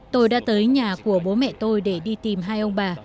tôi đã tới nhà của bố mẹ tôi để đi tìm hai ông bà